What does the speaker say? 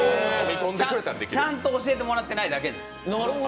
ちゃんと教えてもらってないだけです。